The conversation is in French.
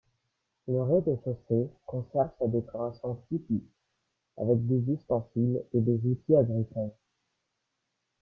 Le rez-de-chaussée conserve sa décoration typique avec des ustensiles et des outils agricoles.